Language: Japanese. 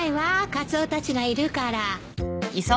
カツオたちがいるから。